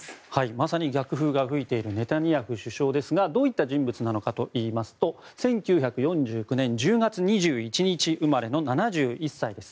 まさに逆風が吹いているネタニヤフ首相ですがどういった人物なのかといいますと１９４９年１０月２１日生まれの７１歳です。